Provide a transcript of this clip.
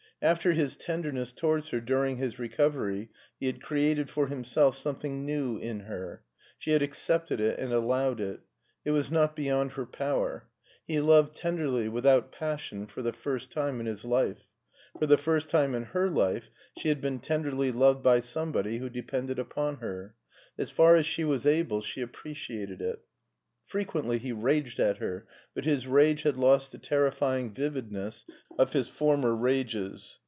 After his tenderness towards her during his recovery he had created for himself something new in her. She had accepted it and allowed it. It was not beyond her power. He loved tenderly, without pas sion, for the first time in his life ; for the first time in her life she had been tenderly loved by somebody who depended upon her. As far as she was able she ap preciated it. Frequently he raged at her, but his rage had lost the terrifying vividness of his former rages.